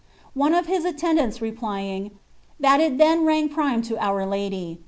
"' One of his aitendanis replying, "That it then nag prime to Onr lady."